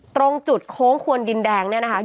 ตรงจุดโค้งควนดินแดงเนี่ยนะคะ